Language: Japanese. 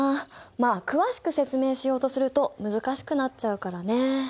まあ詳しく説明しようとすると難しくなっちゃうからね。